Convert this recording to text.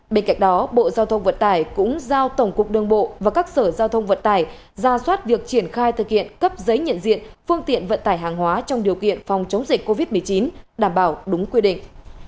bên cạnh đó bộ giao thông vận tải cũng giao tổng cục đương bộ và các sở giao thông vận tải ra soát việc triển khai thực hiện cấp giấy nhận diện phương tiện vận tải hàng hóa trong điều kiện phòng chống dịch covid một mươi chín đảm bảo đúng quy định